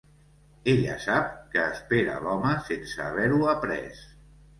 Ella sap què espera l'home sense haver-ho après.